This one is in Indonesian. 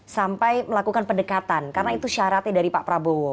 sampai melakukan pendekatan karena itu syaratnya dari pak prabowo